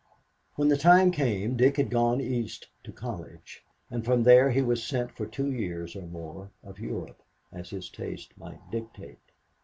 When the time came, Dick had gone East to college, and from there he was sent for two years or more of Europe, as his taste might dictate.